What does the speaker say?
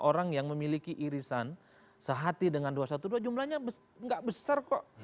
orang yang memiliki irisan sehati dengan dua ratus dua belas jumlahnya nggak besar kok